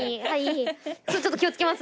ちょっと気を付けます。